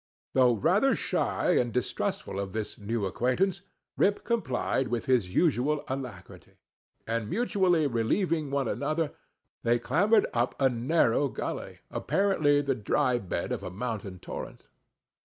Though rather shy and distrustful of this new acquaintance, Rip complied with his usual alacrity; and mutually relieving one another, they clambered up a narrow gully, apparently the dry bed of a mountain torrent.